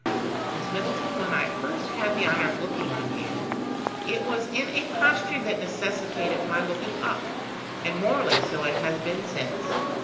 "Miss Middleton, when I first had the honour of looking on you, it was in a posture that necessitated my looking up, and morally so it has been since.